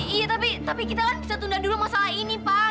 iya tapi kita kan bisa tunda dulu masalah ini pak